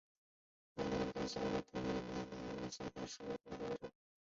大萼铃子香为唇形科铃子香属下的一个种。